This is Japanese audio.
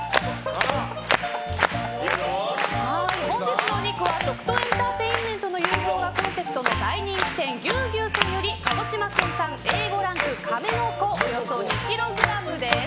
本日のお肉は、食とエンターテインメントの融合がコンセプトの大人気店牛牛さんより鹿児島県産Ａ５ランクかめのこ、およそ２ｋｇです！